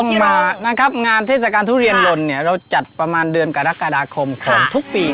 มานะครับงานเทศกาลทุเรียนลนเนี่ยเราจัดประมาณเดือนกรกฎาคมของทุกปี